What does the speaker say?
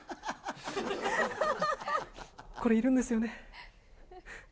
これ、いるんですよね？